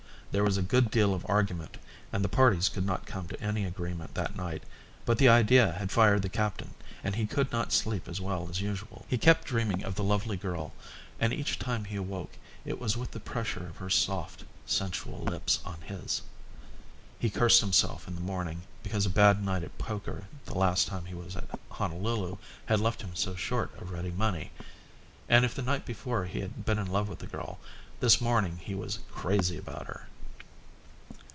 There was a good deal of argument and the parties could not come to any agreement that night, but the idea had fired the captain, and he could not sleep as well as usual. He kept dreaming of the lovely girl and each time he awoke it was with the pressure of her soft, sensual lips on his. He cursed himself in the morning because a bad night at poker the last time he was at Honolulu had left him so short of ready money. And if the night before he had been in love with the girl, this morning he was crazy about her.